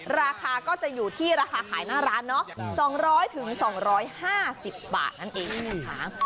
ราคาก็จะอยู่ที่ราคาขายหน้าร้านเนาะ๒๐๐๒๕๐บาทนั่นเองนะคะ